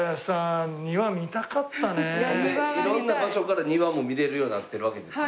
色んな場所から庭も見れるようになってるわけですね。